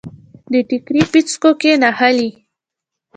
د ټیکري پیڅکو کې نښلي